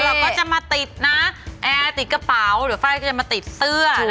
แล้วเราก็จะมาติดนะติดกระเป๋าหรือไฟก็จะมาติดเสื้อนะคะ